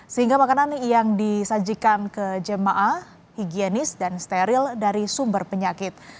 sehingga makanan yang disajikan ke jemaah higienis dan steril dari sumber penyakit